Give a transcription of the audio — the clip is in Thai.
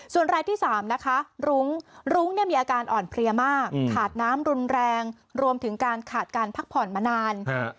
ส่วนรายที่๓นะคะรุ้งรุ้งเนี่ยมีอาการอ่อนเพลียมากขาดน้ำรุนแรงรวมถึงการขาดการพักผ่อนมานาน